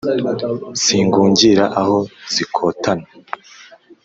Singungira aho zikotana